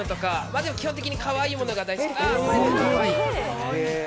でも基本的には、かわいいものが好きです。